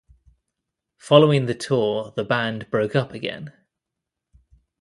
Following the tour the band broke up again.